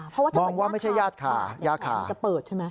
เพราะว่าจะเปิดย่าคามันจะเปิดใช่ไหม